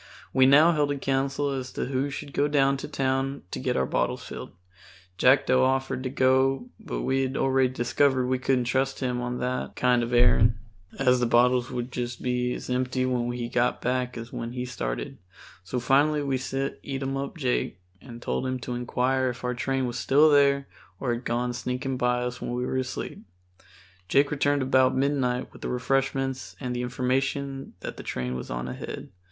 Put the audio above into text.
We now held a council as to who should go down to town to get our bottles filled. Jackdo offered to go, but we had already discovered we couldn't trust him on that kind of errand, as the bottles would be just as empty when he got back as when he started, so finally we sent Eatumup Jake and told him to inquire if our train was still there or had gone sneaking by us when we were asleep. Jake returned about midnight with the refreshments and the information that the train was on ahead.